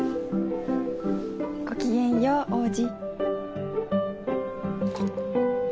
ごきげんよう王子。